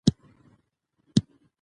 دغه مرکز یوازېنی کلتوري مرکز و.